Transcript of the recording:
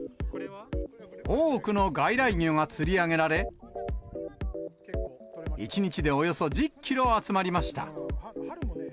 多くの外来魚が釣り上げられ、１日でおよそ１０キロ集まりました。